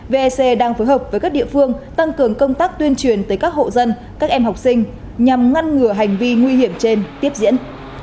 vec đang phối hợp với các địa phương tăng cường công tác tuyên truyền tới các hộ dân các em học sinh nhằm ngăn ngừa hành vi nguy hiểm trên tiếp diễn